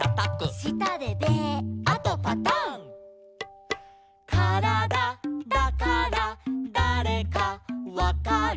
「したでベー」「あとパタン」「からだだからだれかわかる」